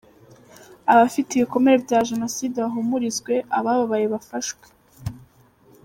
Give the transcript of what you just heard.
Abafite ibikomere bya Jenoside bahumurizwe, abababaye bafashwe.